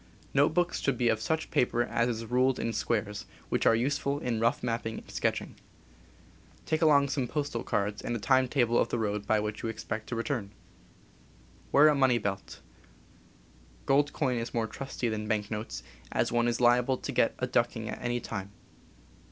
Note books should be of such paper as is ruled in squares, which are useful in rough mapping and sketch „. ing. Take along some postal cards, and a timetable of the road by which you expect to return. Wear a money belt. Gold coin is mere trusty than banknotes, as one is liable to get a ducking at any time.